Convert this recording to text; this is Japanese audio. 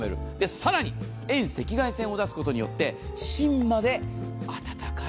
更に、遠赤外線を出すことによって芯まで暖かい。